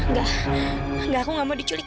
nggak aku nggak mau diculik